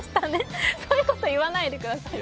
そういうこと言わないでくださいよ。